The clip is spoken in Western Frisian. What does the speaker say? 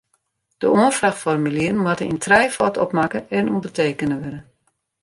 De oanfraachformulieren moatte yn trijefâld opmakke en ûndertekene wurde.